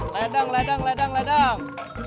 ledang ledang ledang ledang